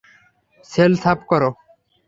Sell সাফ করো।